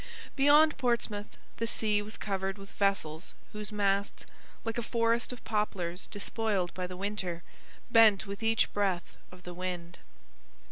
Beyond Portsmouth the sea was covered with vessels whose masts, like a forest of poplars despoiled by the winter, bent with each breath of the wind.